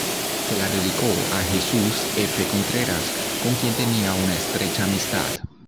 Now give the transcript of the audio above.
Se la dedicó a Jesús F. Contreras, con quien tenía una estrecha amistad.